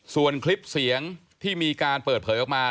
ส่วนคลิปเสียงที่มีการเปิดเผยออกมา